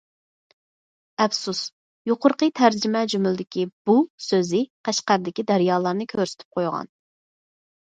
ئەپسۇس، يۇقىرىقى تەرجىمە جۈملىدىكى‹‹ بۇ›› سۆزى قەشقەردىكى دەريالارنى كۆرسىتىپ قويغان.